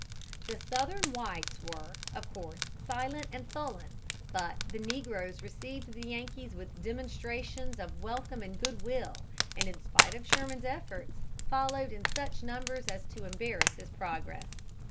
The Southern whites were, of course, silent and sullen, but the negroes received the Yankees with demonstrations of welcome and good will, and in spite of Sherman's efforts, followed in such numbers as to embarrass his progress.